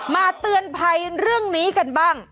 เตือนภัยเรื่องนี้กันบ้าง